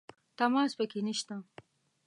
تمساح پکې نه شته .